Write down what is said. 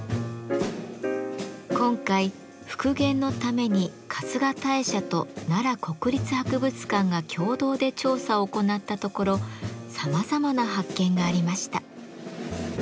今回復元のために春日大社と奈良国立博物館が共同で調査を行ったところさまざまな発見がありました。